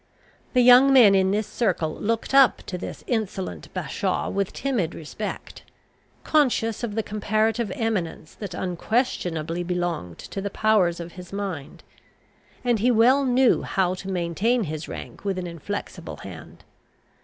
The young men in this circle looked up to this insolent bashaw with timid respect, conscious of the comparative eminence that unquestionably belonged to the powers of his mind; and he well knew how to maintain his rank with an inflexible hand.